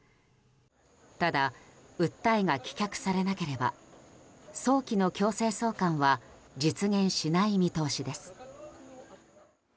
ただ、訴えが棄却されなければ早期の強制送還は実現しない見通しです。